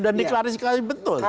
dan diklarifikasi betul